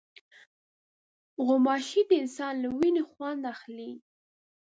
غوماشې د انسان له وینې خوند اخلي.